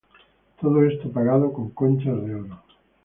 Todo eso pagado con conchas de oro.